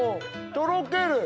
とろける！